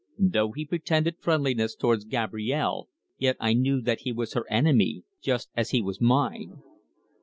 Though he pretended friendliness towards Gabrielle, yet I knew that he was her enemy, just as he was mine.